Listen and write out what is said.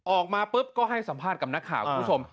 ออกมาปุ๊บก็ให้สัมภาษณ์กับนักข่าวคุณผู้ชม